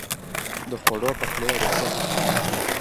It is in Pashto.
د خوړو، پخلی او روغتیا په اړه: